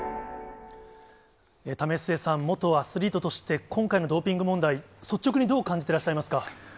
為末さん、元アスリートとして、今回のドーピング問題、率直にどう感じていらっしゃいますか。